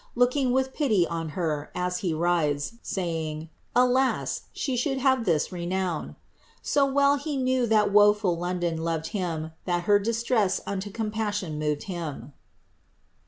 Looking with pity on her, as he ridet, Saying, 'Alas I she should have this renown I* So well he knew that woeful London loved him That her distress unto compassion moved him."